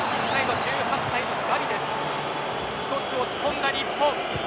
１つ、押し込んだ日本。